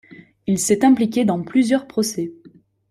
Il s'est impliqué dans plusieurs procès.